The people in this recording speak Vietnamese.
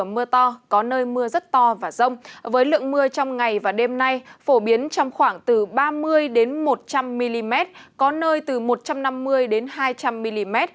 mưa trong ngày và đêm nay phổ biến trong khoảng từ ba mươi một trăm linh mm có nơi từ một trăm năm mươi hai trăm linh mm